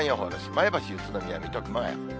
前橋、宇都宮、水戸、熊谷。